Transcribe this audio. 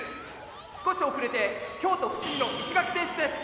少し遅れて京都伏見の石垣選手です！